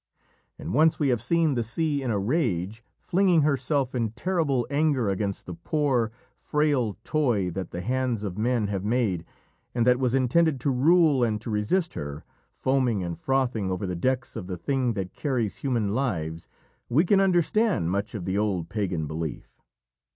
And once we have seen the sea in a rage, flinging herself in terrible anger against the poor, frail toy that the hands of men have made and that was intended to rule and to resist her, foaming and frothing over the decks of the thing that carries human lives, we can understand much of the old pagan belief.